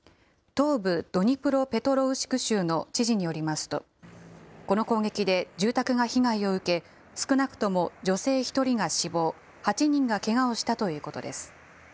東部ドニプロペトロウシク州の知事によりますと、この攻撃で住宅が被害を受け、少なくとも女性１人が死亡、８人がけがをしたということです。